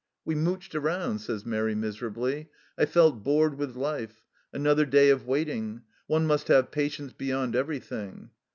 " We mouched around," says Mairi miserably. " I felt bored with life. Another day of waiting! One must have patience beyond everything